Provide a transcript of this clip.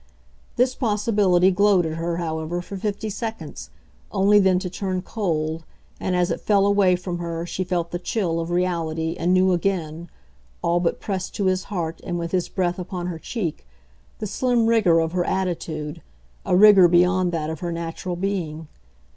This possibility glowed at her, however, for fifty seconds, only then to turn cold, and as it fell away from her she felt the chill of reality and knew again, all but pressed to his heart and with his breath upon her cheek, the slim rigour of her attitude, a rigour beyond that of her natural being.